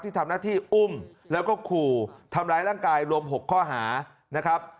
ทำหน้าที่อุ้มแล้วก็ขู่ทำร้ายร่างกายรวม๖ข้อหานะครับ